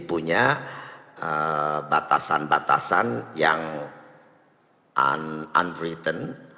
punya batasan batasan yang unretan